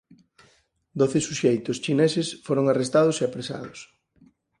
Doce suxeitos chineses foron arrestados e apresados.